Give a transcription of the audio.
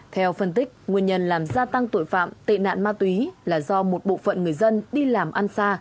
theo phân tích nguyên nhân làm gia tăng tội phạm tệ nạn ma túy là do một bộ phận người dân đi làm ăn xa